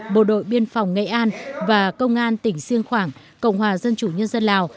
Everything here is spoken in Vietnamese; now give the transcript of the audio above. bộ đội biên phòng nghệ an và công an tỉnh siêng khoảng cộng hòa dân chủ nhân dân lào